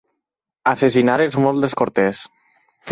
Assassinar és molt descortès.